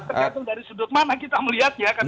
tergantung dari sudut mana kita melihatnya kan